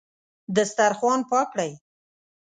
دسترخوان پاک کړئ